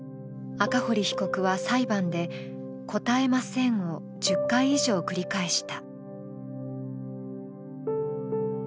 赤堀被告は裁判で、「答えません」を１０回以上繰り返した。